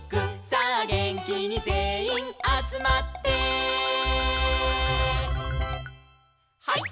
「さあげんきにぜんいんあつまって」「ハイ！